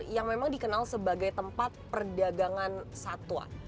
yang memang dikenal sebagai tempat perdagangan satwa